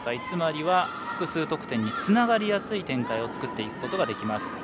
つまりは複数得点につながりやすい展開を作っていくことができます。